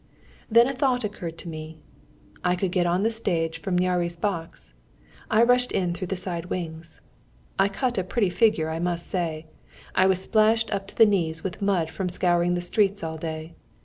Then a thought occurred to me. I could get on to the stage from Nyáry's box; I rushed in through the side wings. I cut a pretty figure I must say. I was splashed up to the knees with mud from scouring the streets all day.